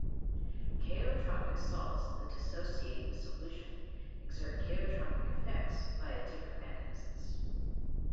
Chaotropic salts that dissociate in solution exert chaotropic effects via different mechanisms.